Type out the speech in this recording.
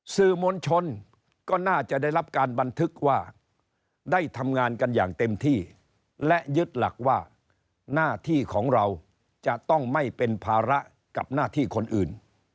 สื่อมวลชนก็น่าจะได้รับการบันทึกว่าได้ทำงานกันอย่างเต็มที่และยึดหลักว่าหน้าที่ของเราจะต้องไม่เป็นภาระกับหน้าที่คนอื่น